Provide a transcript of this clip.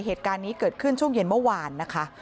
เหตุการณ์นี้เกิดขึ้นช่วงเย็นเมื่อวานนะคะ